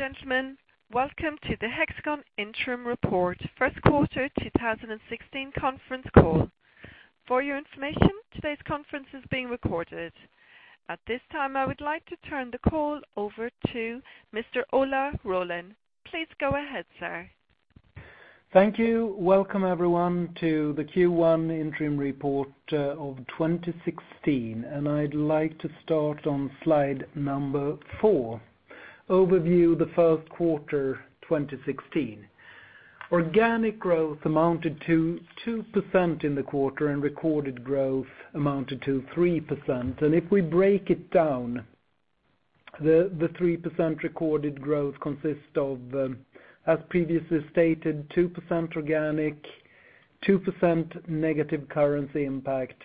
Gentlemen, welcome to the Hexagon Interim Report first quarter 2016 conference call. For your information, today's conference is being recorded. At this time, I would like to turn the call over to Mr. Ola Rollén. Please go ahead, sir. Thank you. Welcome everyone to the Q1 interim report of 2016. I'd like to start on slide number four, overview of the first quarter 2016. Organic growth amounted to 2% in the quarter, recorded growth amounted to 3%. If we break it down, the 3% recorded growth consists of, as previously stated, 2% organic, 2% negative currency impact,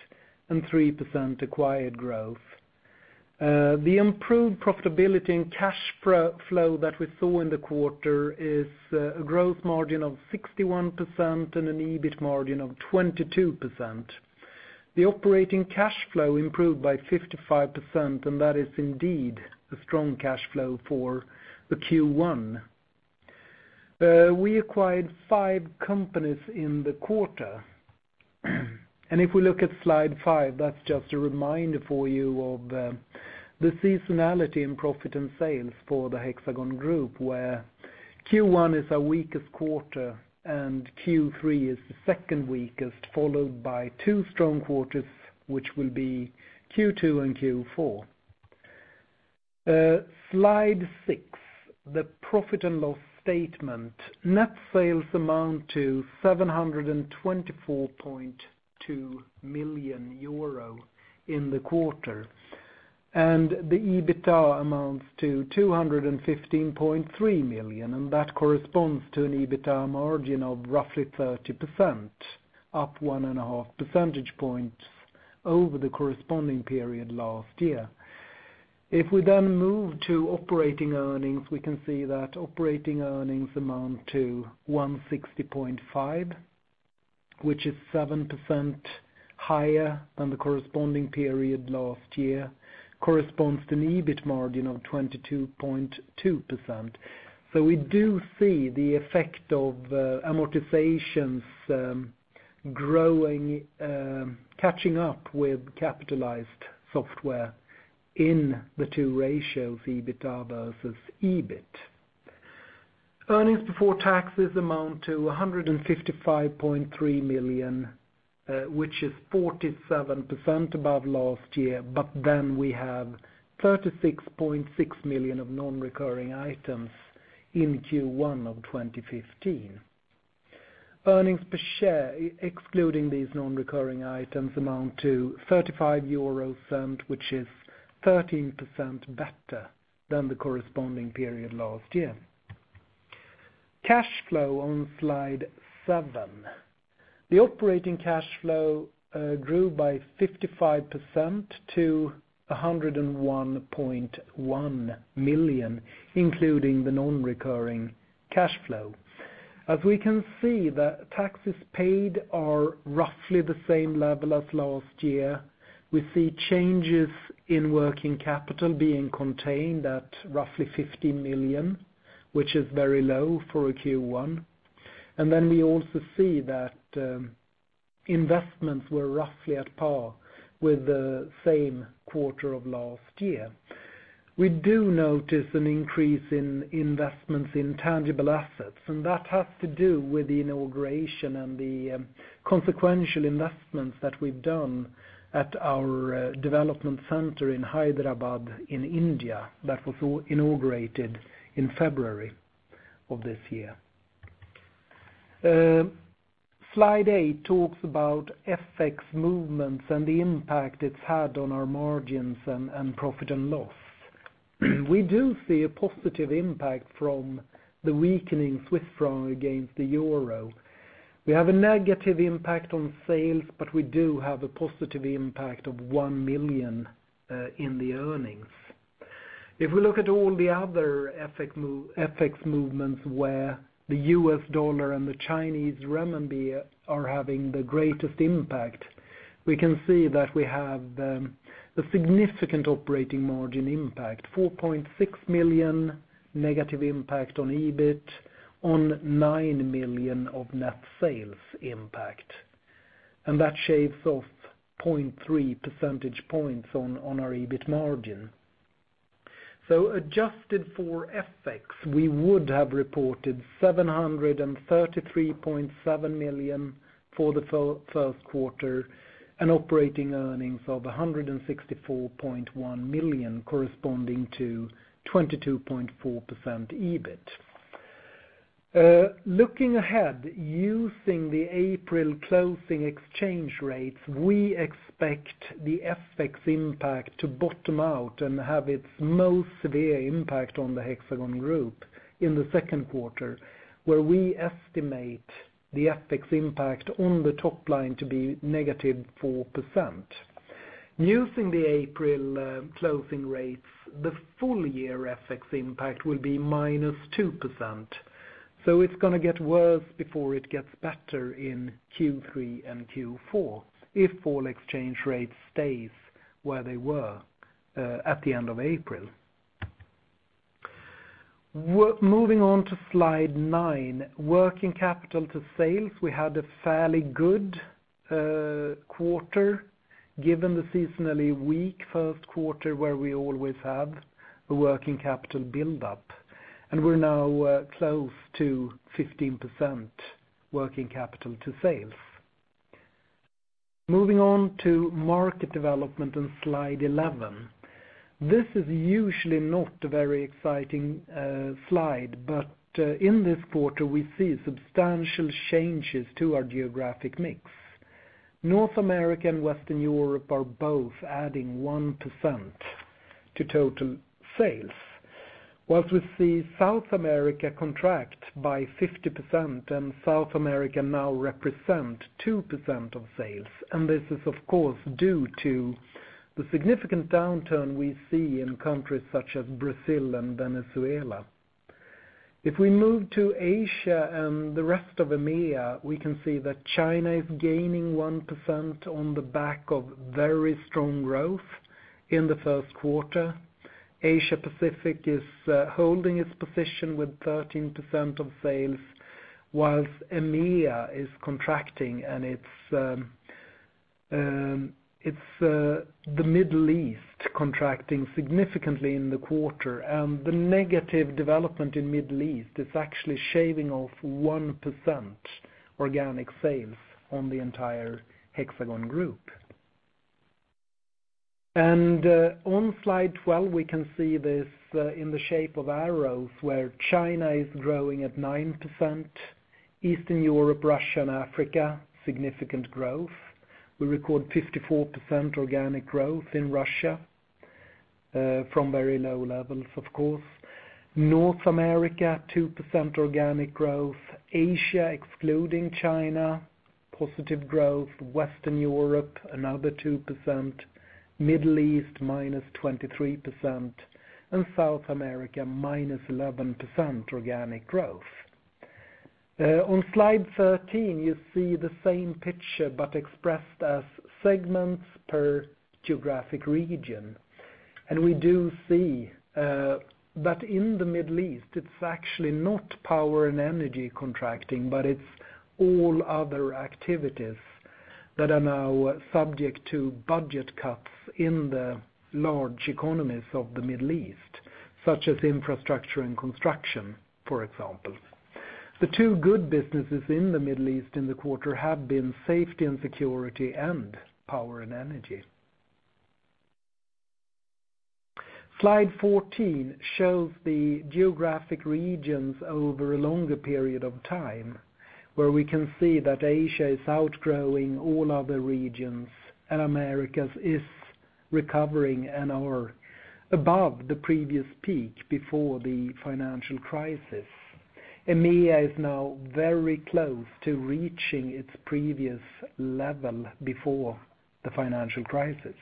and 3% acquired growth. The improved profitability and cash flow that we saw in the quarter is a growth margin of 61% and an EBIT margin of 22%. The operating cash flow improved by 55%. That is indeed a strong cash flow for the Q1. We acquired five companies in the quarter. If we look at slide number five, that's just a reminder for you of the seasonality in profit and sales for the Hexagon Group, where Q1 is our weakest quarter, Q3 is the second weakest, followed by two strong quarters, which will be Q2 and Q4. Slide number six, the profit and loss statement. Net sales amount to 724.2 million euro in the quarter, the EBITDA amounts to 215.3 million. That corresponds to an EBITDA margin of roughly 30%, up one and a half percentage points over the corresponding period last year. If we then move to operating earnings, we can see that operating earnings amount to 160.5, which is 7% higher than the corresponding period last year, corresponds to an EBIT margin of 22.2%. We do see the effect of amortizations growing, catching up with capitalized software in the two ratios, EBITDA versus EBIT. Earnings before taxes amount to 155.3 million, which is 47% above last year, we have 36.6 million of non-recurring items in Q1 of 2015. Earnings per share, excluding these non-recurring items, amount to 0.35, which is 13% better than the corresponding period last year. Cash flow on slide number seven. The operating cash flow grew by 55% to 101.1 million, including the non-recurring cash flow. As we can see, the taxes paid are roughly the same level as last year. We see changes in working capital being contained at roughly 15 million, which is very low for a Q1. We also see that investments were roughly at par with the same quarter of last year. We do notice an increase in investments in tangible assets, and that has to do with the inauguration and the consequential investments that we've done at our development center in Hyderabad in India that was inaugurated in February of this year. Slide eight talks about FX movements and the impact it's had on our margins and profit and loss. We do see a positive impact from the weakening Swiss franc against the euro. We have a negative impact on sales, but we do have a positive impact of 1 million in the earnings. If we look at all the other FX movements, where the US dollar and the Chinese renminbi are having the greatest impact, we can see that we have the significant operating margin impact, 4.6 million negative impact on EBIT on 9 million of net sales impact. That shaves off 0.3 percentage points on our EBIT margin. Adjusted for FX, we would have reported 733.7 million for the first quarter, and operating earnings of 164.1 million, corresponding to 22.4% EBIT. Looking ahead, using the April closing exchange rates, we expect the FX impact to bottom out and have its most severe impact on the Hexagon Group in the second quarter, where we estimate the FX impact on the top line to be negative 4%. Using the April closing rates, the full-year FX impact will be minus 2%. It's going to get worse before it gets better in Q3 and Q4 if all exchange rates stays where they were at the end of April. Moving on to slide nine, working capital to sales. We had a fairly good quarter given the seasonally weak first quarter where we always have a working capital buildup, and we're now close to 15% working capital to sales. Moving on to market development in slide 11. This is usually not a very exciting slide, but in this quarter we see substantial changes to our geographic mix. North America and Western Europe are both adding 1% to total sales, whilst we see South America contract by 50% and South America now represent 2% of sales. This is of course due to the significant downturn we see in countries such as Brazil and Venezuela. If we move to Asia and the rest of EMEA, we can see that China is gaining 1% on the back of very strong growth in the first quarter. Asia-Pacific is holding its position with 13% of sales, whilst EMEA is contracting and it's the Middle East contracting significantly in the quarter. The negative development in Middle East is actually shaving off 1% organic sales on the entire Hexagon Group. On slide 12, we can see this in the shape of arrows where China is growing at 9%, Eastern Europe, Russia, and Africa, significant growth. We record 54% organic growth in Russia, from very low levels of course. North America, 2% organic growth, Asia, excluding China, positive growth, Western Europe, another 2%, Middle East, minus 23%, and South America, minus 11% organic growth. On slide 13, you see the same picture but expressed as segments per geographic region. We do see that in the Middle East, it's actually not power and energy contracting, but it's all other activities that are now subject to budget cuts in the large economies of the Middle East, such as infrastructure and construction, for example. The two good businesses in the Middle East in the quarter have been safety and security and power and energy. Slide 14 shows the geographic regions over a longer period of time, where we can see that Asia is outgrowing all other regions, and Americas is recovering and are above the previous peak before the financial crisis. EMEA is now very close to reaching its previous level before the financial crisis.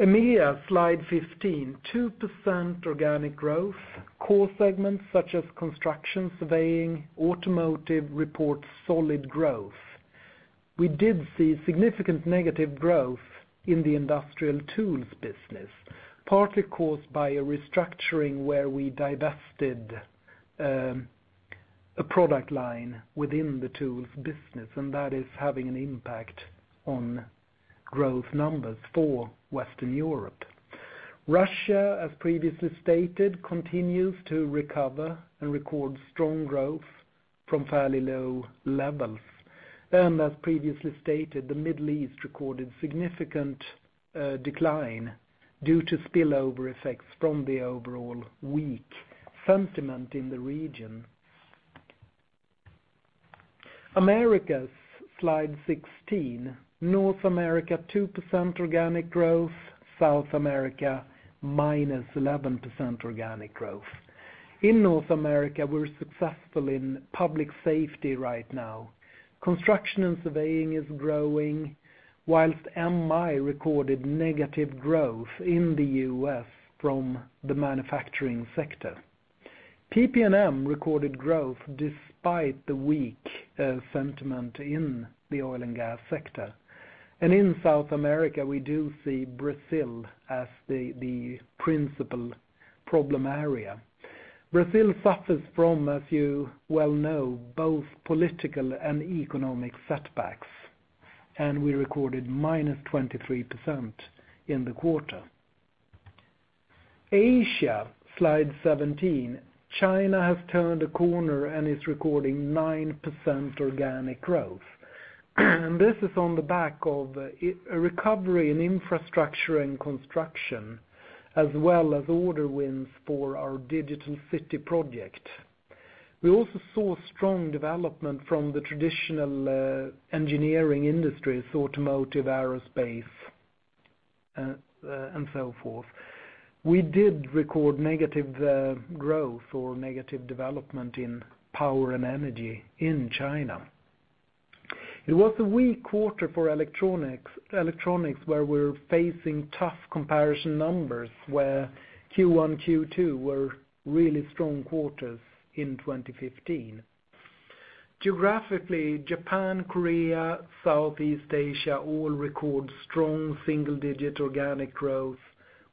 EMEA, slide 15, 2% organic growth. Core segments such as construction, surveying, automotive report solid growth. We did see significant negative growth in the Industrial Tools business, partly caused by a restructuring where we divested a product line within the tools business, and that is having an impact on growth numbers for Western Europe. Russia, as previously stated, continues to recover and record strong growth from fairly low levels. As previously stated, the Middle East recorded significant decline due to spillover effects from the overall weak sentiment in the region. Americas, slide 16. North America, 2% organic growth, South America, minus 11% organic growth. In North America, we're successful in public safety right now. Construction and surveying is growing, whilst MI recorded negative growth in the U.S. from the manufacturing sector. PP&M recorded growth despite the weak sentiment in the oil and gas sector. In South America, we do see Brazil as the principal problem area. Brazil suffers from, as you well know, both political and economic setbacks, and we recorded minus 23% in the quarter. Asia, slide 17. China has turned a corner and is recording 9% organic growth. This is on the back of a recovery in infrastructure and construction, as well as order wins for our Digital City project. We also saw strong development from the traditional engineering industries, automotive, aerospace, and so forth. We did record negative growth or negative development in power and energy in China. It was a weak quarter for electronics, where we're facing tough comparison numbers, where Q1, Q2 were really strong quarters in 2015. Geographically, Japan, Korea, Southeast Asia all record strong single-digit organic growth,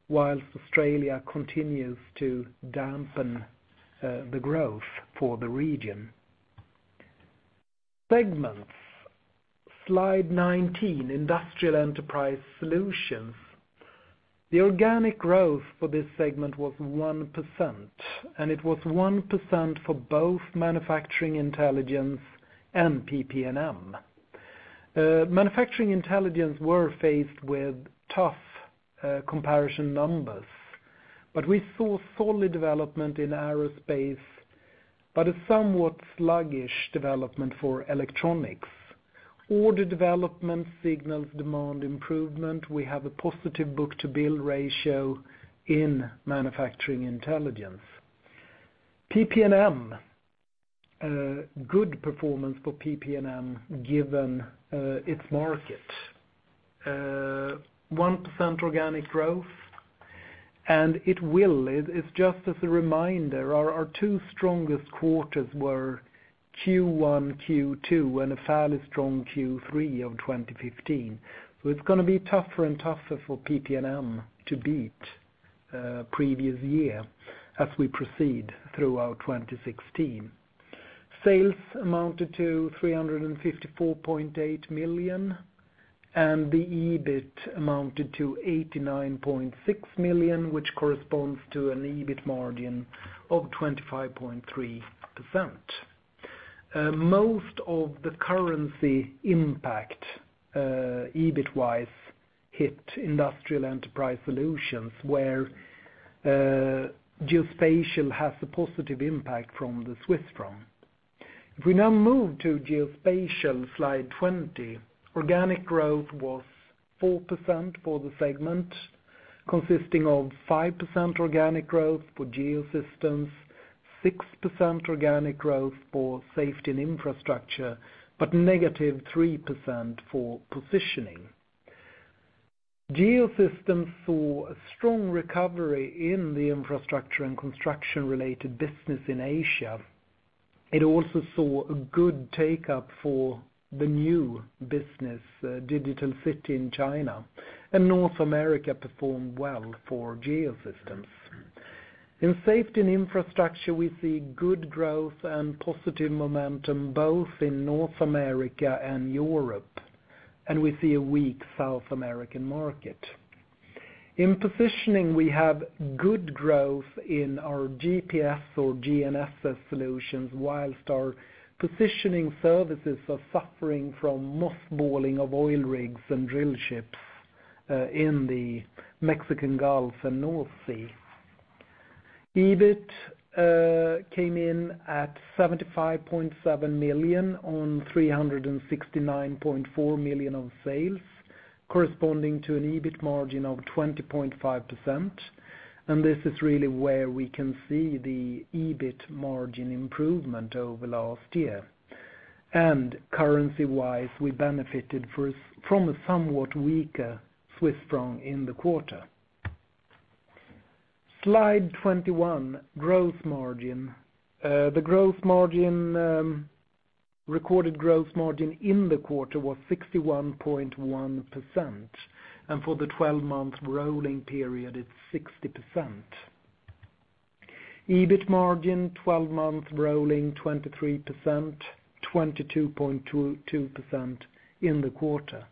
whilst Australia continues to dampen the growth for the region. Segments, slide 19, Industrial Enterprise Solutions. The organic growth for this segment was 1%, and it was 1% for both Manufacturing Intelligence and PP&M. Manufacturing Intelligence were faced with tough comparison numbers, but we saw solid development in aerospace, but a somewhat sluggish development for electronics. Order development signals demand improvement. We have a positive book-to-bill ratio in Manufacturing Intelligence. PP&M, good performance for PP&M given its market. 1% organic growth, and it will, it's just as a reminder, our two strongest quarters were Q1, Q2, and a fairly strong Q3 of 2015. It's going to be tougher and tougher for PP&M to beat previous year as we proceed throughout 2016. Sales amounted to 354.8 million, and the EBIT amounted to 89.6 million, which corresponds to an EBIT margin of 25.3%. Most of the currency impact, EBIT-wise, hit Industrial Enterprise Solutions, where Geospatial has a positive impact from the Swiss franc. If we now move to Geospatial, slide 20, organic growth was 4% for the segment, consisting of 5% organic growth for Geosystems, 6% organic growth for Safety & Infrastructure, but negative 3% for Positioning. Geosystems saw a strong recovery in the infrastructure and construction-related business in Asia. It also saw a good take-up for the new business, Digital City, in China. North America performed well for Geosystems. In Safety & Infrastructure, we see good growth and positive momentum both in North America and Europe, we see a weak South American market. In Positioning, we have good growth in our GPS or GNSS solutions, whilst our positioning services are suffering from mothballing of oil rigs and drill ships in the Gulf of Mexico and North Sea. EBIT came in at 75.7 million on 369.4 million on sales, corresponding to an EBIT margin of 20.5%. This is really where we can see the EBIT margin improvement over last year. Currency-wise, we benefited from a somewhat weaker Swiss franc in the quarter. Slide 21, growth margin. The recorded growth margin in the quarter was 61.1%, and for the 12-month rolling period, it's 60%. EBIT margin, 12-month rolling, 23%, 22.2% in the quarter,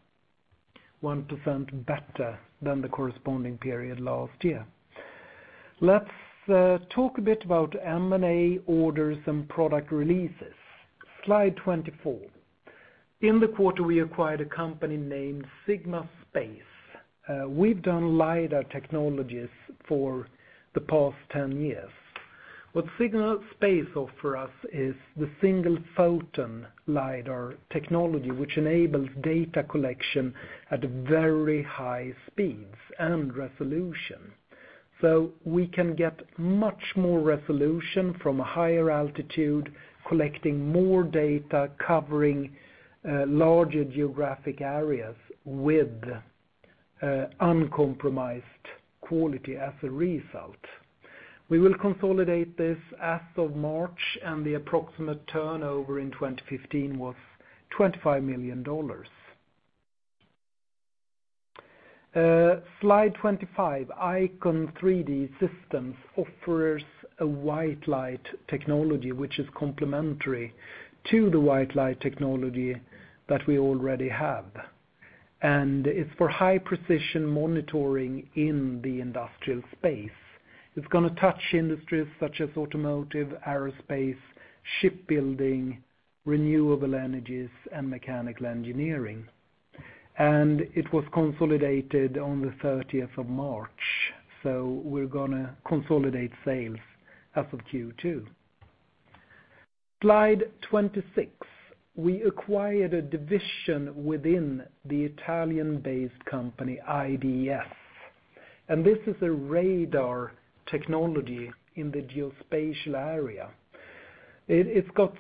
1% better than the corresponding period last year. Let's talk a bit about M&A orders and product releases. Slide 24. In the quarter, we acquired a company named Sigma Space. We've done lidar technologies for the past 10 years. What Sigma Space offer us is the single-photon lidar technology, which enables data collection at very high speeds and resolution. We can get much more resolution from a higher altitude, collecting more data, covering larger geographic areas with uncompromised quality as a result. We will consolidate this as of March, and the approximate turnover in 2015 was $25 million. Slide 25, AICON 3D Systems offers a white light technology which is complementary to the white light technology that we already have. It's for high-precision monitoring in the industrial space. It's going to touch industries such as automotive, aerospace, shipbuilding, renewable energies, and mechanical engineering. It was consolidated on the 30th of March, we're going to consolidate sales as of Q2. Slide 26. We acquired a division within the Italian-based company IDS. This is a radar technology in the geospatial area. It's got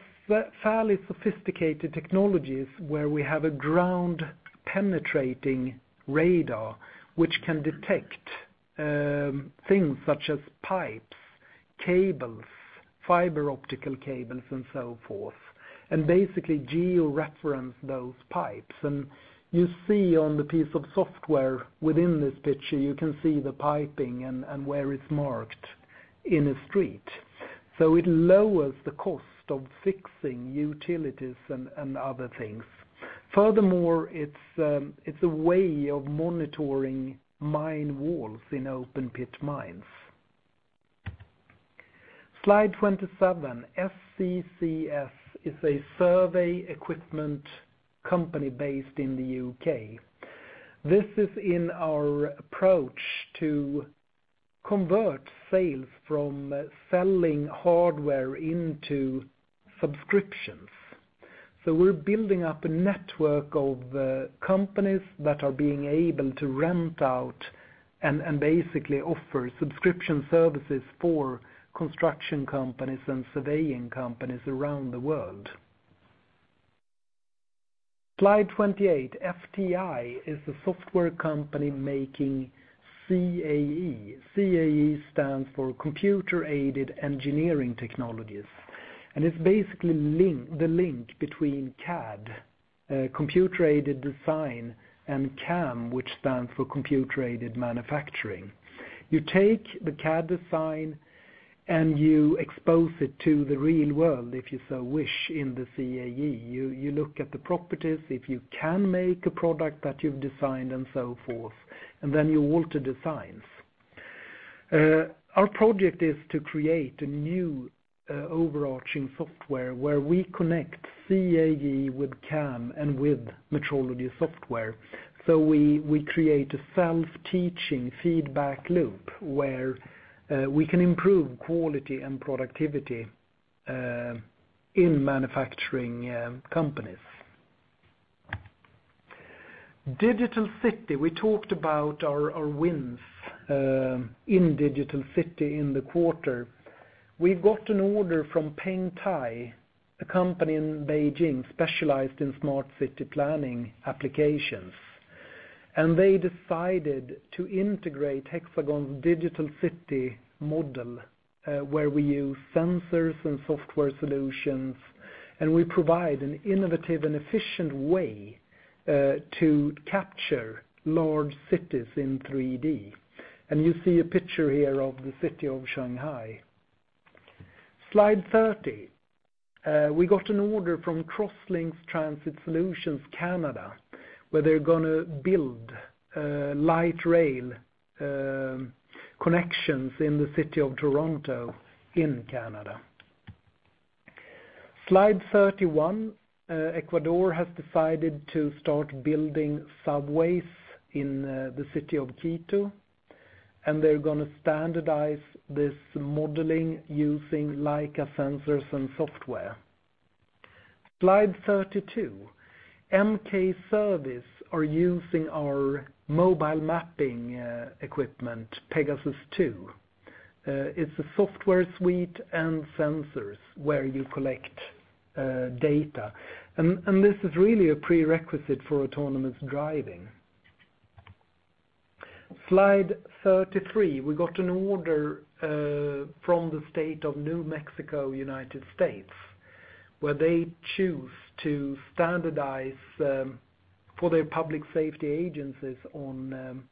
fairly sophisticated technologies, where we have a ground-penetrating radar which can detect things such as pipes, cables, fiber optic cables and so forth, and basically geo-reference those pipes. You see on the piece of software within this picture, you can see the piping and where it's marked in a street. It lowers the cost of fixing utilities and other things. Furthermore, it's a way of monitoring mine walls in open pit mines. Slide 27. SCCS is a survey equipment company based in the U.K. This is in our approach to convert sales from selling hardware into subscriptions. We're building up a network of companies that are being able to rent out and basically offer subscription services for construction companies and surveying companies around the world. Slide 28, FTI is a software company making CAE. CAE stands for computer-aided engineering technologies, it's basically the link between CAD, computer-aided design, and CAM, which stands for computer-aided manufacturing. You take the CAD design and you expose it to the real world, if you so wish, in the CAE. You look at the properties, if you can make a product that you've designed and so forth, then you alter designs. Our project is to create a new overarching software where we connect CAE with CAM and with metrology software. We create a self-teaching feedback loop where we can improve quality and productivity in manufacturing companies. Digital City, we talked about our wins in Digital City in the quarter. We've got an order from Pengtai, a company in Beijing specialized in smart city planning applications. They decided to integrate Hexagon's Digital City model, where we use sensors and software solutions, and we provide an innovative and efficient way to capture large cities in 3D. You see a picture here of the city of Shanghai. Slide 30. We got an order from Crosslinx Transit Solutions Canada, where they're going to build light rail connections in the city of Toronto in Canada. Slide 31. Ecuador has decided to start building subways in the city of Quito, and they're going to standardize this modeling using Leica sensors and software. Slide 32. MK Surveys are using our mobile mapping equipment, Pegasus II. It's a software suite and sensors where you collect data. This is really a prerequisite for autonomous driving. Slide 33. We got an order from the state of New Mexico, U.S., where they choose to standardize for their public safety agencies on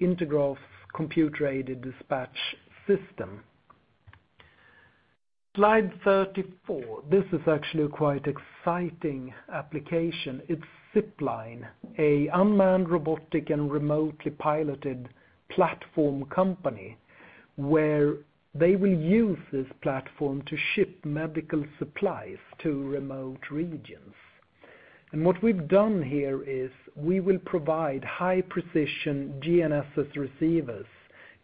Intergraph computer-aided dispatch system. Slide 34. This is actually a quite exciting application. It's Zipline, a unmanned robotic and remotely piloted platform company where they will use this platform to ship medical supplies to remote regions. What we've done here is we will provide high-precision GNSS receivers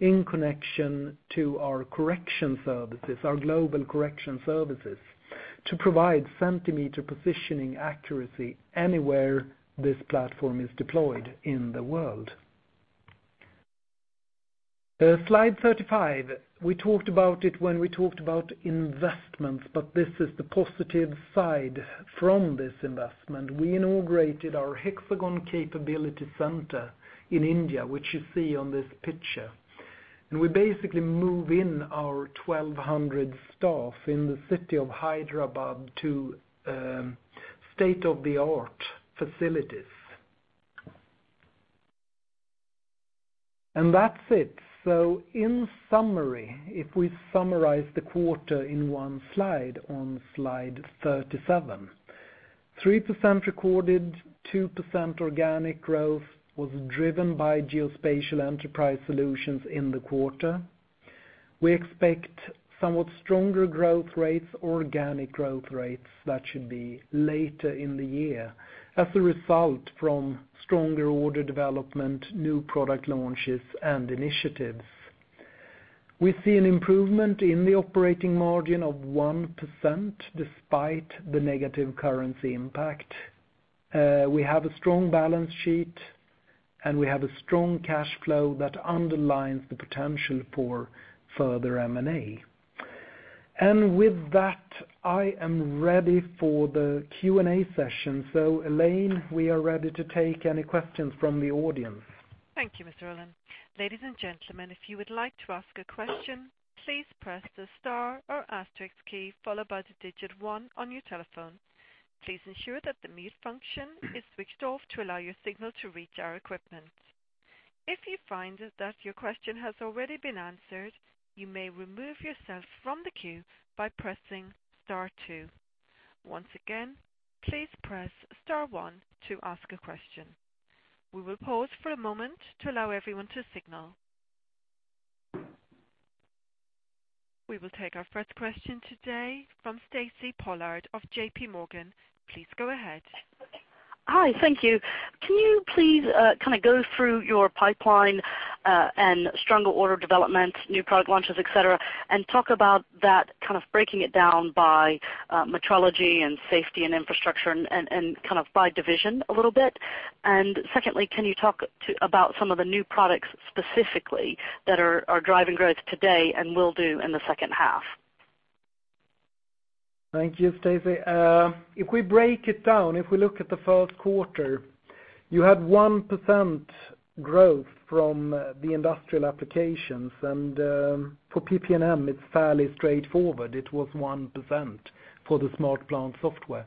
in connection to our correction services, our global correction services, to provide centimeter positioning accuracy anywhere this platform is deployed in the world. Slide 35. We talked about it when we talked about investments, but this is the positive side from this investment. We inaugurated our Hexagon Capability Center in India, which you see on this picture. We basically move in our 1,200 staff in the city of Hyderabad to state-of-the-art facilities. That's it. In summary, if we summarize the quarter in one slide on Slide 37, 3% recorded, 2% organic growth was driven by Geospatial Enterprise Solutions in the quarter. We expect somewhat stronger growth rates, organic growth rates, that should be later in the year as a result from stronger order development, new product launches, and initiatives. We see an improvement in the operating margin of 1%, despite the negative currency impact. We have a strong balance sheet, and we have a strong cash flow that underlines the potential for further M&A. With that, I am ready for the Q&A session. Elaine, we are ready to take any questions from the audience. Thank you, Mr. Rollén. Ladies and gentlemen, if you would like to ask a question, please press the star or asterisk key followed by the digit 1 on your telephone. Please ensure that the mute function is switched off to allow your signal to reach our equipment. If you find that your question has already been answered, you may remove yourself from the queue by pressing star two. Once again, please press star one to ask a question. We will pause for a moment to allow everyone to signal. We will take our first question today from Stacy Pollard of J.P. Morgan. Please go ahead. Hi. Thank you. Can you please go through your pipeline, and stronger order developments, new product launches, et cetera, and talk about that, breaking it down by metrology and Safety & Infrastructure and by division a little bit? Secondly, can you talk about some of the new products specifically that are driving growth today and will do in the second half? Thank you, Stacy. If we break it down, if we look at the first quarter, you had 1% growth from the industrial applications, and for PP&M, it's fairly straightforward. It was 1% for the SmartPlant software.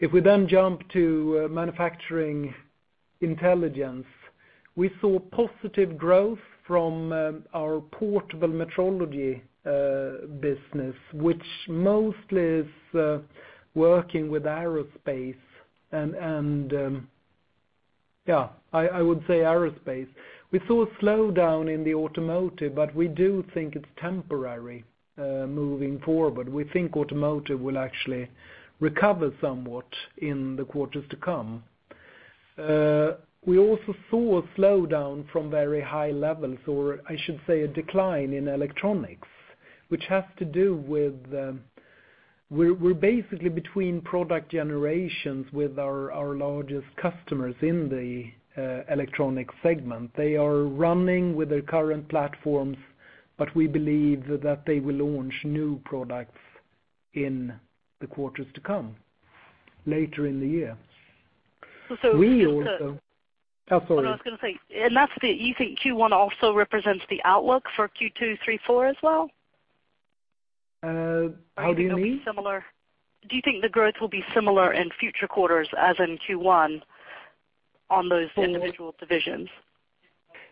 If we then jump to Manufacturing Intelligence, we saw positive growth from our portable metrology business, which mostly is working with aerospace. We saw a slowdown in the automotive, we do think it's temporary moving forward. We think automotive will actually recover somewhat in the quarters to come. We also saw a slowdown from very high levels, or I should say, a decline in electronics. We're basically between product generations with our largest customers in the electronics segment. They are running with their current platforms, we believe that they will launch new products in the quarters to come later in the year. Just to- We also-- Oh, sorry. I was going to say, you think Q1 also represents the outlook for Q2, three, four as well? How do you mean? Do you think the growth will be similar in future quarters as in Q1 on those individual divisions?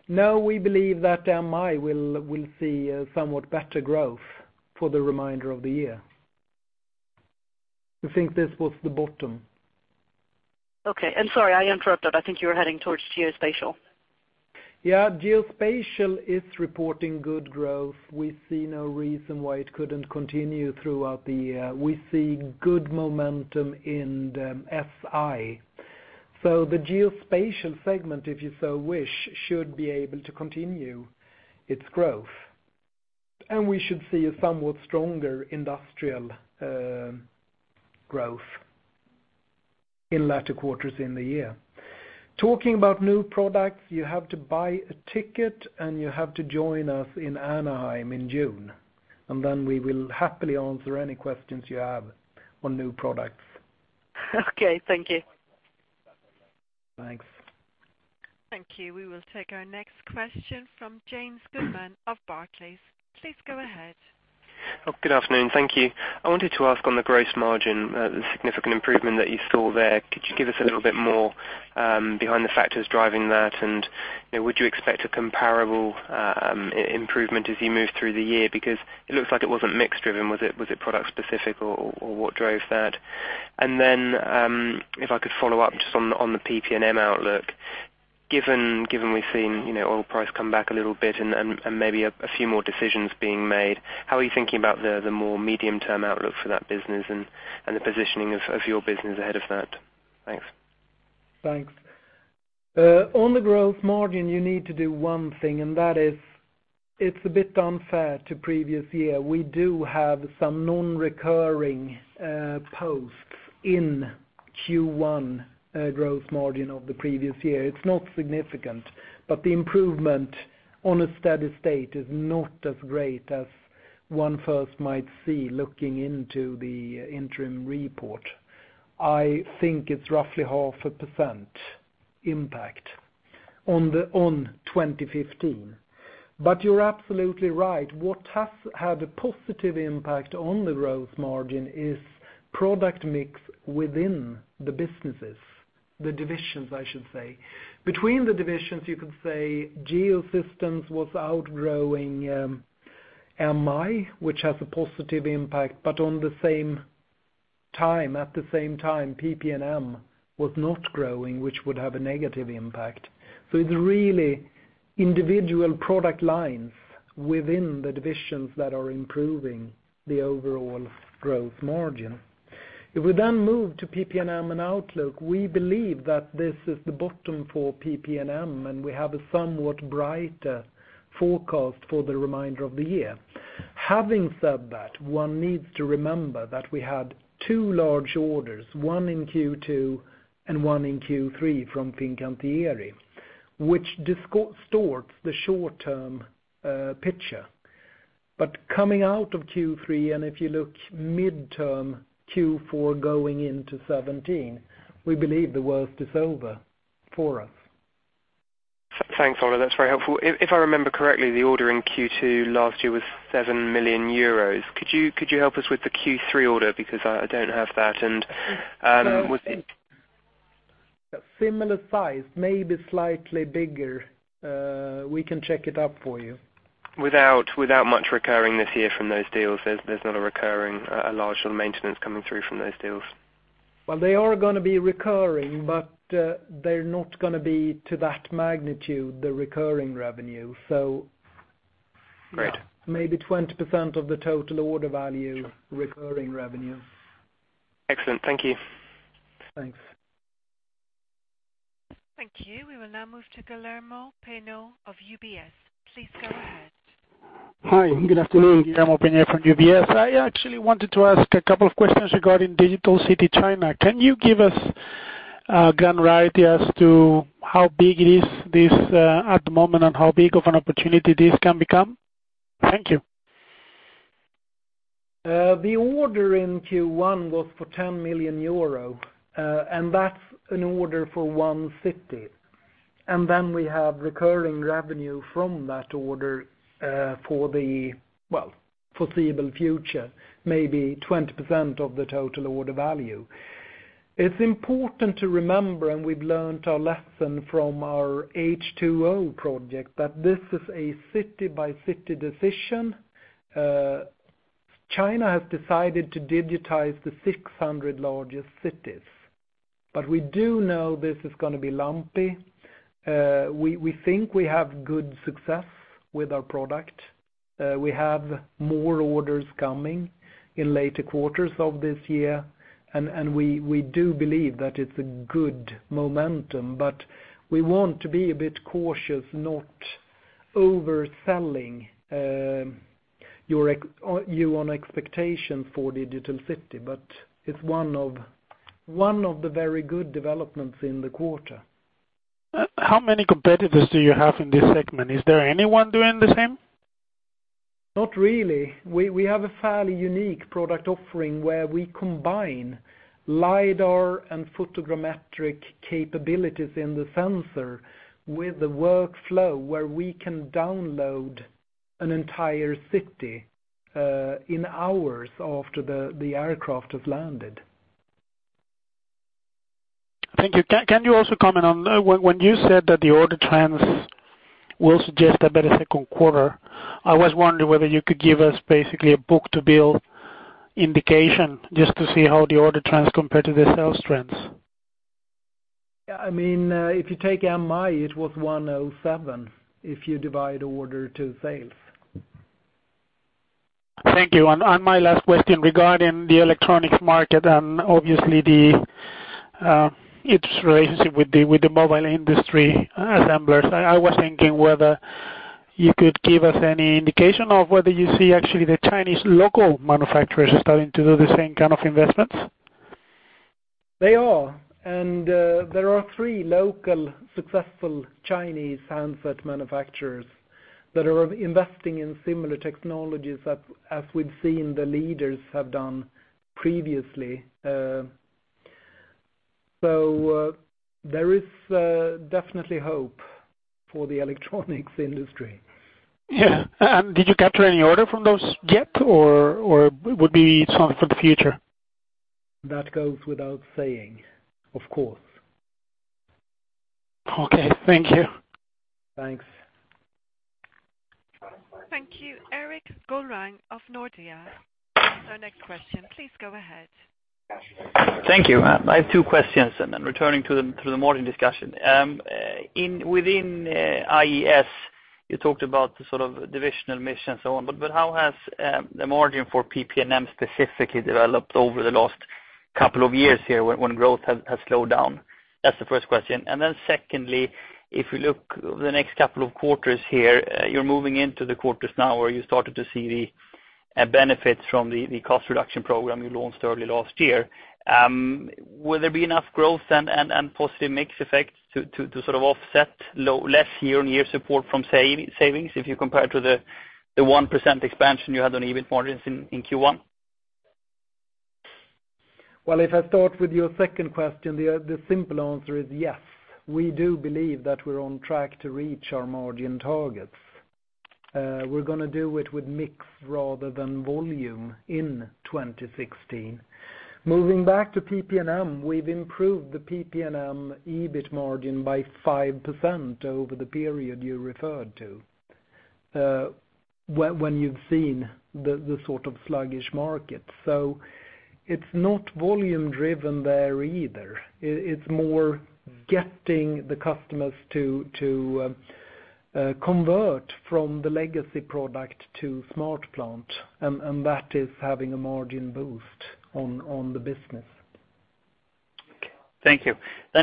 No, we believe that MI will see a somewhat better growth for the remainder of the year. We think this was the bottom. Okay. Sorry, I interrupted. I think you were heading towards Geospatial. Yeah. Geospatial is reporting good growth. We see no reason why it couldn't continue throughout the year. We see good momentum in the SI. The Geospatial segment, if you so wish, should be able to continue its growth. We should see a somewhat stronger industrial growth in latter quarters in the year. Talking about new products, you have to buy a ticket, and you have to join us in Anaheim in June. Then we will happily answer any questions you have on new products. Okay. Thank you. Thanks. Thank you. We will take our next question from James Goodman of Barclays. Please go ahead. Good afternoon. Thank you. I wanted to ask on the gross margin, the significant improvement that you saw there, could you give us a little bit more behind the factors driving that? Would you expect a comparable improvement as you move through the year? It looks like it wasn't mix driven. Was it product specific, or what drove that? If I could follow up just on the PP&M outlook. Given we've seen oil price come back a little bit and maybe a few more decisions being made, how are you thinking about the more medium-term outlook for that business and the positioning of your business ahead of that? Thanks. Thanks. On the gross margin, you need to do one thing, and that is it's a bit unfair to previous year. We do have some non-recurring posts in Q1 gross margin of the previous year. It's not significant, but the improvement on a steady state is not as great as one first might see looking into the interim report. I think it's roughly half a percent impact on 2015. You're absolutely right. What has had a positive impact on the gross margin is product mix within the businesses, the divisions, I should say. Between the divisions, you could say Geosystems was outgrowing MI, which has a positive impact, but at the same time, PP&M was not growing, which would have a negative impact. It's really individual product lines within the divisions that are improving the overall gross margin. If we then move to PP&M and outlook, we believe that this is the bottom for PP&M, and we have a somewhat brighter forecast for the remainder of the year. Having said that, one needs to remember that we had two large orders, one in Q2 and one in Q3 from Fincantieri, which distorts the short-term picture. Coming out of Q3, and if you look midterm Q4 going into 2017, we believe the worst is over for us. Thanks, Ola. That's very helpful. If I remember correctly, the order in Q2 last year was 7 million euros. Could you help us with the Q3 order? I don't have that. Similar size, maybe slightly bigger. We can check it up for you. Without much recurring this year from those deals, there's not a recurring, a large sort of maintenance coming through from those deals? Well, they are going to be recurring, but they're not going to be to that magnitude, the recurring revenue. Great. Maybe 20% of the total order value. Sure recurring revenue. Excellent. Thank you. Thanks. Thank you. We will now move to Guillermo Peigneux-Lojo of UBS. Please go ahead. Hi, good afternoon. Guillermo Peigneux-Lojo from UBS. I actually wanted to ask a couple of questions regarding Digital City China. Can you give us a ground right as to how big it is at the moment, and how big of an opportunity this can become? Thank you. The order in Q1 was for 10 million euro, and that's an order for one city. We have recurring revenue from that order for the foreseeable future, maybe 20% of the total order value. It's important to remember, and we've learned our lesson from our H2O project that this is a city-by-city decision. China has decided to digitize the 600 largest cities. We do know this is going to be lumpy. We think we have good success with our product. We have more orders coming in later quarters of this year, and we do believe that it's a good momentum. We want to be a bit cautious, not overselling you on expectation for Digital City, but it's one of the very good developments in the quarter. How many competitors do you have in this segment? Is there anyone doing the same? Not really. We have a fairly unique product offering where we combine lidar and photogrammetric capabilities in the sensor with the workflow where we can download an entire city in hours after the aircraft has landed. Thank you. Can you also comment on when you said that the order trends will suggest a better second quarter, I was wondering whether you could give us basically a book-to-bill indication just to see how the order trends compare to the sales trends. Yeah. If you take MI, it was 107 if you divide order to sales. Thank you. My last question regarding the electronics market and obviously its relationship with the mobile industry assemblers. I was thinking whether you could give us any indication of whether you see actually the Chinese local manufacturers are starting to do the same kind of investments? They are. There are three local successful Chinese handset manufacturers that are investing in similar technologies as we've seen the leaders have done previously. There is definitely hope for the electronics industry. Yeah. Did you capture any order from those yet, or would be something for the future? That goes without saying, of course. Okay. Thank you. Thanks. Thank you. Erik Golrang of Nordea, our next question. Please go ahead. Thank you. I have two questions, and then returning to the margin discussion. Within IES, you talked about the sort of divisional mission and so on, but how has the margin for PP&M specifically developed over the last couple of years here when growth has slowed down? That's the first question. Secondly, if we look over the next couple of quarters here, you're moving into the quarters now where you started to see the benefits from the cost reduction program you launched early last year. Will there be enough growth and possibly mix effect to sort of offset less year-on-year support from savings if you compare to the 1% expansion you had on EBIT margins in Q1? Well, if I start with your second question, the simple answer is yes. We do believe that we're on track to reach our margin targets. We're going to do it with mix rather than volume in 2016. Moving back to PP&M, we've improved the PP&M EBIT margin by 5% over the period you referred to, when you've seen the sort of sluggish market. It's not volume driven there either. It's more getting the customers to convert from the legacy product to SmartPlant, and that is having a margin boost on the business. Okay, thank you.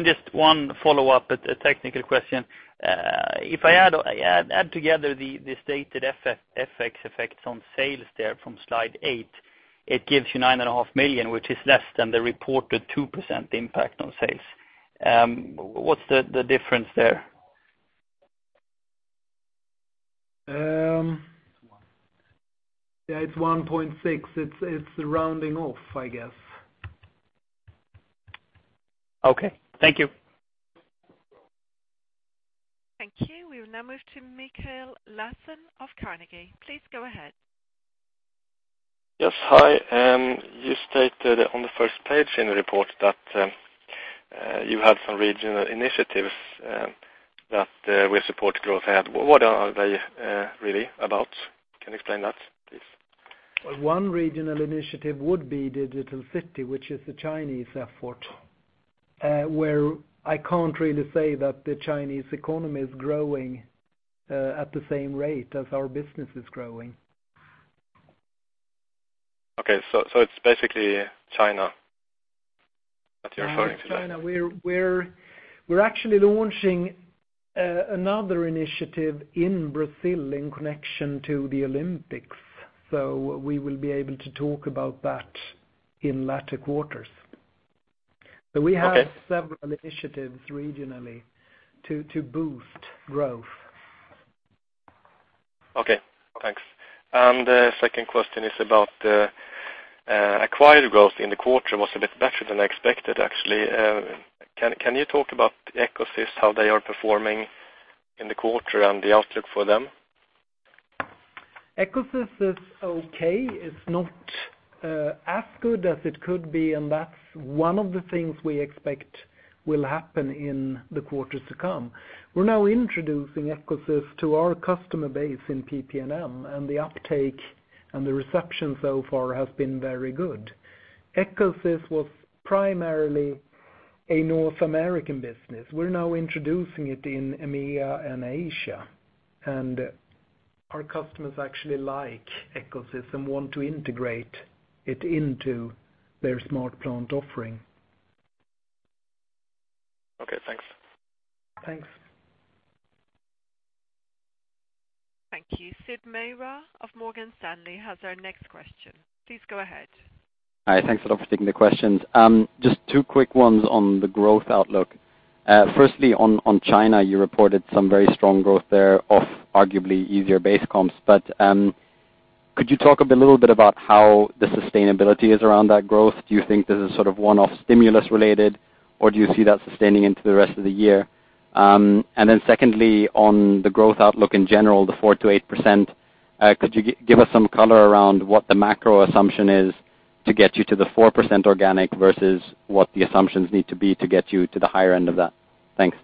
Just one follow-up, a technical question. If I add together the stated FX effects on sales there from slide eight, it gives you 9.5 million, which is less than the reported 2% impact on sales. What's the difference there? Yeah, it's 1.6. It's the rounding off, I guess. Okay. Thank you. Thank you. We will now move to Mikael Laséen of Carnegie. Please go ahead. Yes. Hi. You stated on the first page in the report that you had some regional initiatives that will support growth ahead. What are they really about? Can you explain that, please? One regional initiative would be Digital City, which is a Chinese effort, where I can't really say that the Chinese economy is growing at the same rate as our business is growing. Okay. It's basically China that you're referring to there. China. We're actually launching another initiative in Brazil in connection to the Olympics, we will be able to talk about that in latter quarters. Okay. We have several initiatives regionally to boost growth. Okay, thanks. The second question is about the acquired growth in the quarter was a bit better than expected, actually. Can you talk about EcoSys, how they are performing in the quarter and the outlook for them? EcoSys is okay. It's not as good as it could be, that's one of the things we expect will happen in the quarters to come. We're now introducing EcoSys to our customer base in PP&M, the uptake and the reception so far has been very good. EcoSys was primarily a North American business. We're now introducing it in EMEA and Asia, our customers actually like EcoSys, want to integrate it into their SmartPlant offering. Okay, thanks. Thanks. Thank you. Sid Mehra of Morgan Stanley has our next question. Please go ahead. Hi. Thanks a lot for taking the questions. Just two quick ones on the growth outlook. Firstly, on China, you reported some very strong growth there off arguably easier base comps. Could you talk a little bit about how the sustainability is around that growth? Do you think this is sort of one-off stimulus related, or do you see that sustaining into the rest of the year? Secondly, on the growth outlook in general, the 4%-8%, could you give us some color around what the macro assumption is to get you to the 4% organic versus what the assumptions need to be to get you to the higher end of that? Thanks.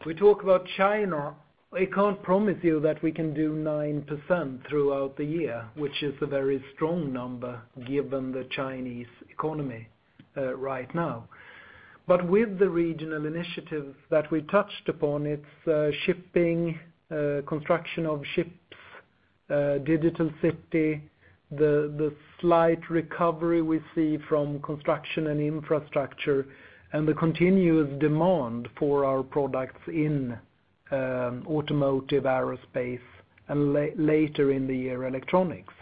If we talk about China, I can't promise you that we can do 9% throughout the year, which is a very strong number given the Chinese economy right now. With the regional initiatives that we touched upon, it's shipping, construction of ships, Digital City, the slight recovery we see from construction and infrastructure, and the continuous demand for our products in automotive, aerospace, and later in the year, electronics.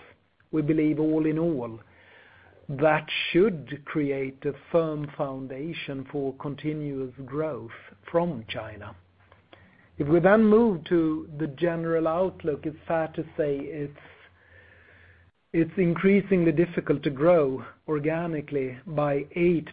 We believe all in all, that should create a firm foundation for continuous growth from China. If we move to the general outlook, it's fair to say it's increasingly difficult to grow organically by 8%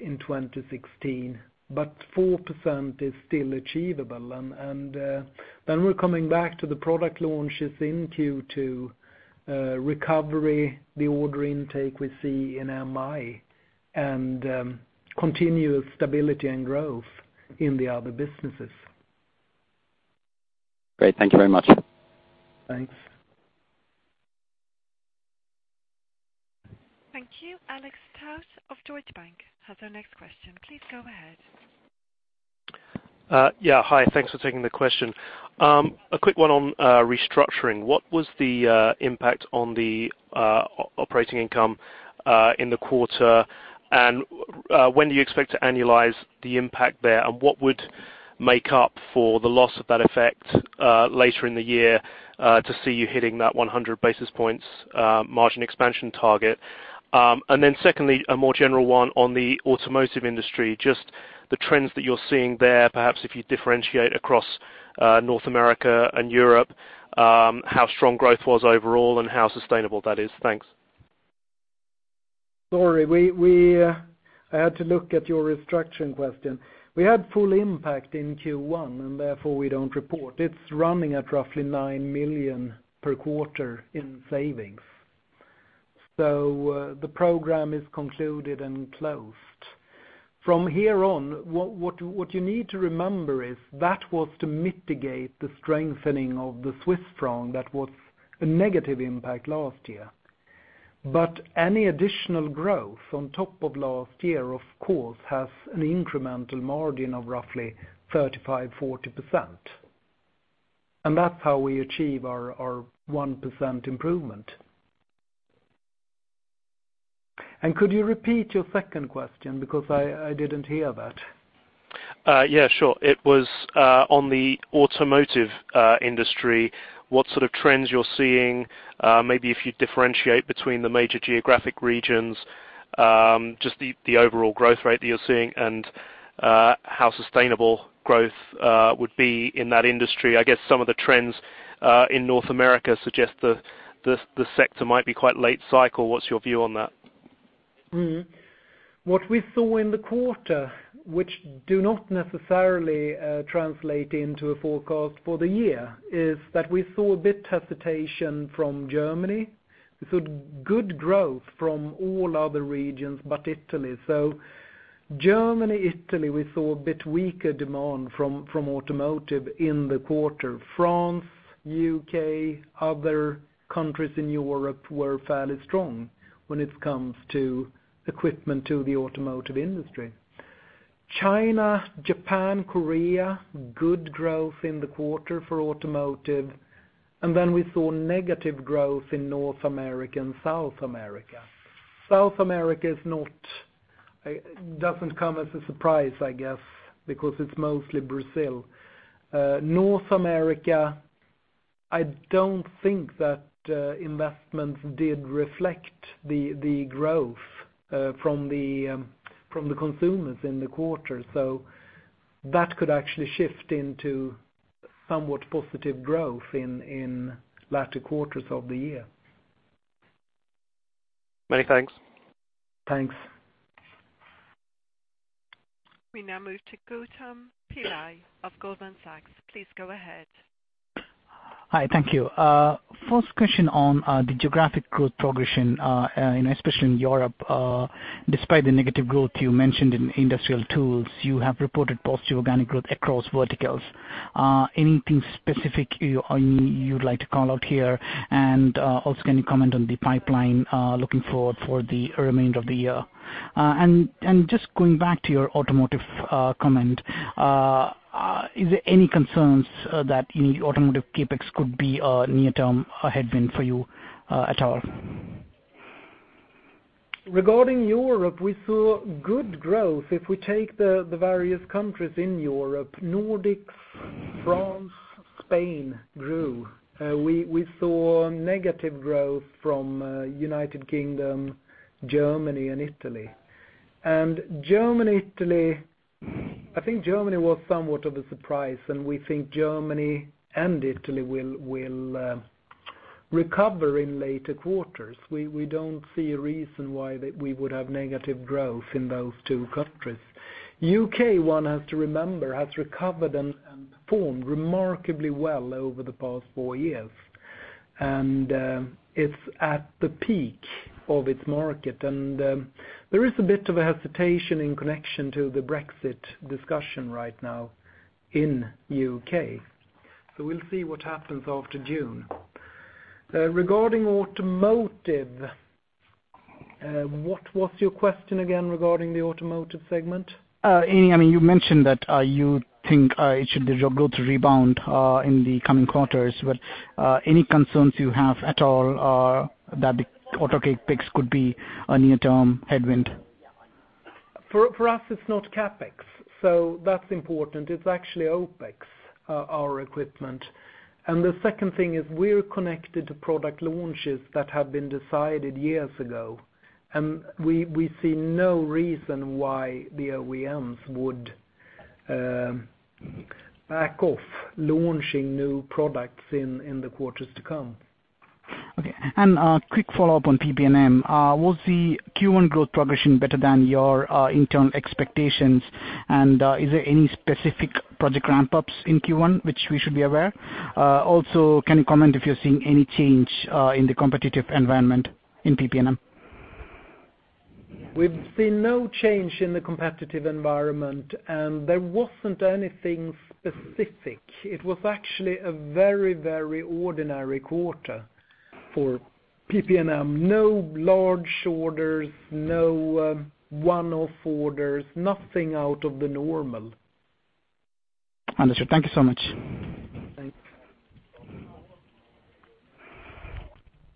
in 2016, 4% is still achievable. We're coming back to the product launches in Q2, recovery, the order intake we see in MI, and continuous stability and growth in the other businesses. Great. Thank you very much. Thanks. Thank you. Alex Tout of Deutsche Bank has our next question. Please go ahead. Yeah. Hi. Thanks for taking the question. A quick one on restructuring. What was the impact on the operating income in the quarter, and when do you expect to annualize the impact there? What would make up for the loss of that effect later in the year to see you hitting that 100 basis points margin expansion target? Secondly, a more general one on the automotive industry, just the trends that you're seeing there, perhaps if you differentiate across North America and Europe, how strong growth was overall and how sustainable that is. Thanks. Sorry. I had to look at your restructuring question. We had full impact in Q1, and therefore, we don't report. It's running at roughly 9 million per quarter in savings. The program is concluded and closed. From here on, what you need to remember is that was to mitigate the strengthening of the Swiss franc that was a negative impact last year. Any additional growth on top of last year, of course, has an incremental margin of roughly 35%, 40%. That's how we achieve our 1% improvement. Could you repeat your second question because I didn't hear that? Yeah, sure. It was on the automotive industry, what sort of trends you're seeing, maybe if you differentiate between the major geographic regions, just the overall growth rate that you're seeing and how sustainable growth would be in that industry? I guess some of the trends in North America suggest the sector might be quite late cycle. What's your view on that? What we saw in the quarter, which do not necessarily translate into a forecast for the year, is that we saw a bit hesitation from Germany. We saw good growth from all other regions, but Italy. Germany, Italy, we saw a bit weaker demand from automotive in the quarter. France, U.K., other countries in Europe were fairly strong when it comes to equipment to the automotive industry. China, Japan, Korea, good growth in the quarter for automotive. We saw negative growth in North America and South America. South America doesn't come as a surprise, I guess, because it's mostly Brazil. North America, I don't think that investments did reflect the growth from the consumers in the quarter, so that could actually shift into somewhat positive growth in latter quarters of the year. Many thanks. Thanks. We now move to Gautam Pillai of Goldman Sachs. Please go ahead. Hi. Thank you. First question on the geographic growth progression, especially in Europe. Despite the negative growth you mentioned in Industrial Tools, you have reported positive organic growth across verticals. Anything specific you'd like to call out here? Also, can you comment on the pipeline looking forward for the remainder of the year? Just going back to your automotive comment, are there any concerns that any automotive CapEx could be a near-term headwind for you at all? Regarding Europe, we saw good growth. If we take the various countries in Europe, Nordics, France, Spain grew. We saw negative growth from United Kingdom, Germany and Italy. Germany, Italy, I think Germany was somewhat of a surprise, and we think Germany and Italy will recover in later quarters. We don't see a reason why we would have negative growth in those two countries. U.K., one has to remember, has recovered and performed remarkably well over the past four years, and it's at the peak of its market. There is a bit of a hesitation in connection to the Brexit discussion right now in U.K. We'll see what happens after June. Regarding automotive, what was your question again regarding the automotive segment? You mentioned that you think it should rebound in the coming quarters, but any concerns you have at all that the auto CapEx could be a near-term headwind? For us, it's not CapEx, so that's important. It's actually OpEx, our equipment. The second thing is we're connected to product launches that have been decided years ago, and we see no reason why the OEMs would back off launching new products in the quarters to come. Okay. A quick follow-up on PP&M. Was the Q1 growth progression better than your internal expectations? Is there any specific project ramp-ups in Q1 which we should be aware? Also, can you comment if you're seeing any change in the competitive environment in PP&M? We've seen no change in the competitive environment, and there wasn't anything specific. It was actually a very ordinary quarter for PP&M. No large orders, no one-off orders, nothing out of the normal. Understood. Thank you so much. Thanks.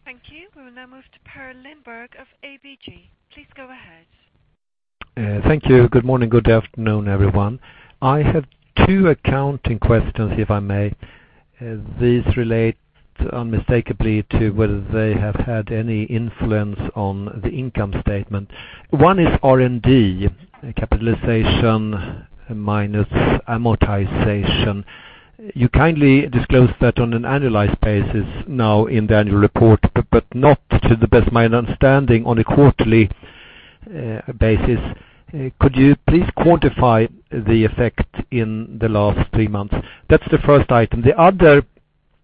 Thank you. We will now move to Per Lindberg of ABG. Please go ahead. Thank you. Good morning. Good afternoon, everyone. I have two accounting questions, if I may. These relate unmistakably to whether they have had any influence on the income statement. One is R&D capitalization minus amortization. You kindly disclosed that on an annualized basis now in the annual report, but not to the best of my understanding on a quarterly basis. Could you please quantify the effect in the last three months? That's the first item. The other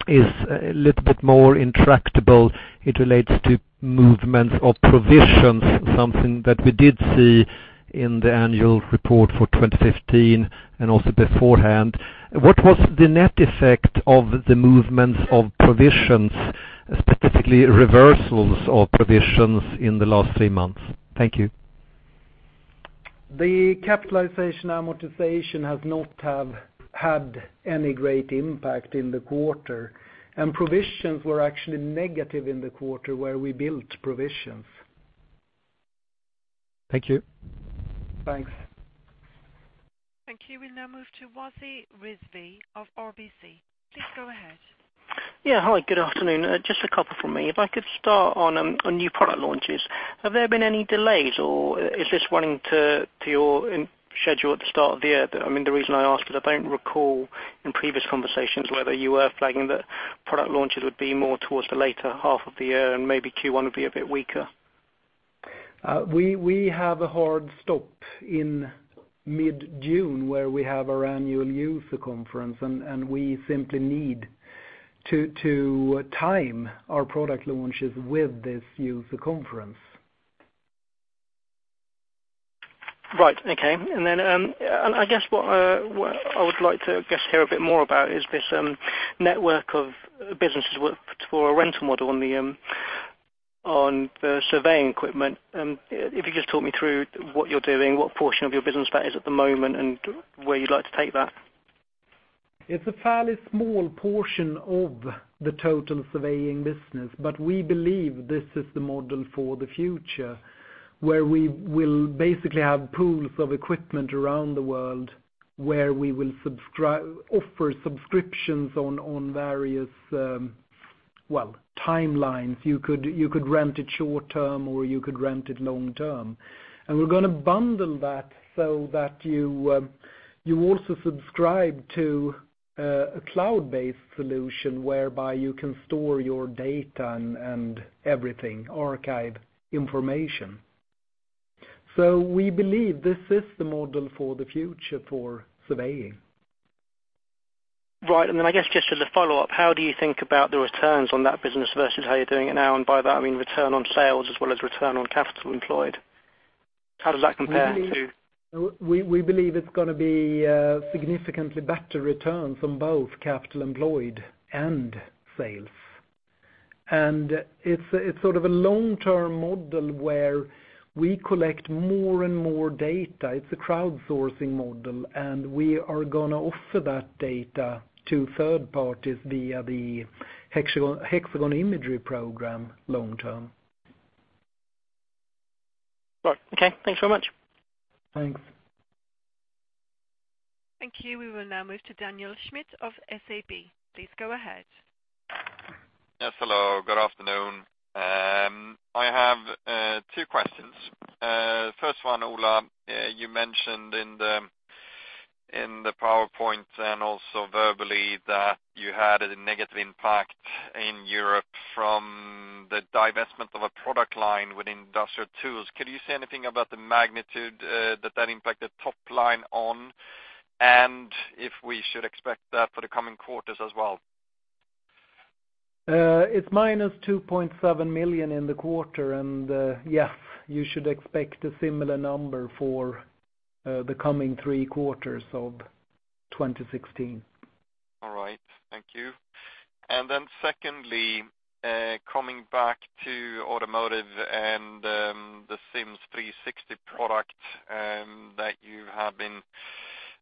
is a little bit more intractable. It relates to movements of provisions, something that we did see in the annual report for 2015 and also beforehand. What was the net effect of the movements of provisions, specifically reversals of provisions in the last three months? Thank you. The capitalization amortization has not had any great impact in the quarter, and provisions were actually negative in the quarter where we built provisions. Thank you. Thanks. Thank you. We'll now move to Wasi Rizvi of RBC. Please go ahead. Hi, good afternoon. Just a couple from me. I could start on new product launches, have there been any delays or is this running to your schedule at the start of the year? The reason I ask is I don't recall in previous conversations whether you were flagging the product launches would be more towards the later half of the year and maybe Q1 would be a bit weaker. We have a hard stop in mid-June where we have our annual user conference. We simply need to time our product launches with this user conference. Right. Okay. I guess what I would like to hear a bit more about is this network of businesses for a rental model on the surveying equipment. You could just talk me through what you're doing, what portion of your business that is at the moment, and where you'd like to take that. It's a fairly small portion of the total surveying business. We believe this is the model for the future, where we will basically have pools of equipment around the world where we will offer subscriptions on various timelines. You could rent it short-term, or you could rent it long-term. We're going to bundle that so that you also subscribe to a cloud-based solution whereby you can store your data and everything, archive information. We believe this is the model for the future for surveying. Right. I guess just as a follow-up, how do you think about the returns on that business versus how you're doing it now? By that, I mean return on sales as well as return on capital employed. How does that compare to- We believe it is going to be significantly better returns on both capital employed and sales. It is sort of a long-term model where we collect more and more data. It is a crowdsourcing model, and we are going to offer that data to third parties via the Hexagon Imagery Program long term. Right. Okay. Thanks so much. Thanks. Thank you. We will now move to Daniel Schmidt of SEB. Please go ahead. Yes, hello. Good afternoon. I have two questions. First one, Ola, you mentioned in the PowerPoint and also verbally that you had a negative impact in Europe from the divestment of a product line with Industrial Tools. Could you say anything about the magnitude that impacted top line on, and if we should expect that for the coming quarters as well? It's minus 2.7 million in the quarter. Yes, you should expect a similar number for the coming three quarters of 2016. All right. Thank you. Secondly, coming back to Automotive and the 360° SIMS product that you have been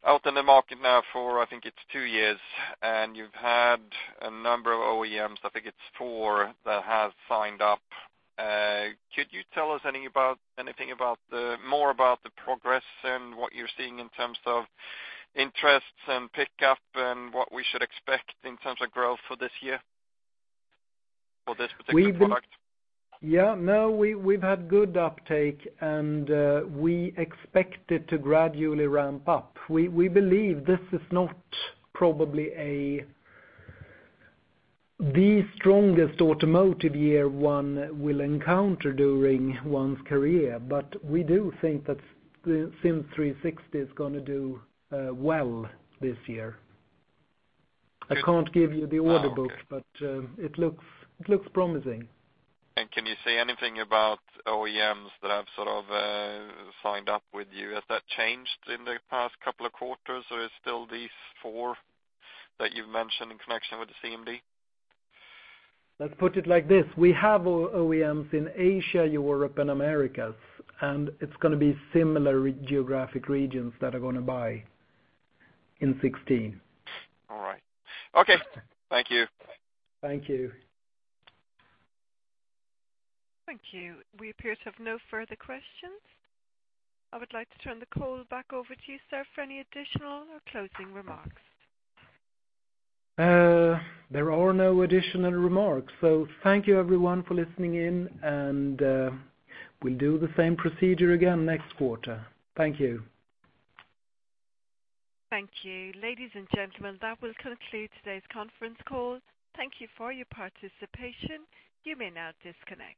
out in the market now for, I think it's two years, and you've had a number of OEMs, I think it's four that have signed up. Could you tell us anything more about the progress and what you're seeing in terms of interests and pickup and what we should expect in terms of growth for this year for this particular product? Yeah, no, we've had good uptake, and we expect it to gradually ramp up. We believe this is not probably the strongest automotive year one will encounter during one's career, but we do think that 360° SIMS is going to do well this year. I can't give you the order book. Oh, okay It looks promising. Can you say anything about OEMs that have sort of signed up with you? Has that changed in the past couple of quarters, or it's still these four that you've mentioned in connection with the CMD? Let's put it like this, we have OEMs in Asia, Europe, and Americas, and it's going to be similar geographic regions that are going to buy in 2016. All right. Okay. Thank you. Thank you. Thank you. We appear to have no further questions. I would like to turn the call back over to you, sir, for any additional or closing remarks. There are no additional remarks, so thank you, everyone, for listening in, and we'll do the same procedure again next quarter. Thank you. Thank you. Ladies and gentlemen, that will conclude today's conference call. Thank you for your participation. You may now disconnect.